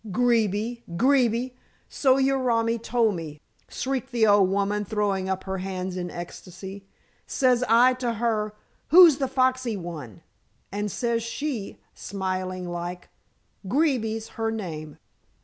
"Greeby! Greeby! So your romi told me," shrieked the old woman, throwing up her hands in ecstasy. "Says I to her, 'Who's the foxy one?' and says she, smiling like, 'Greeby's her name!'"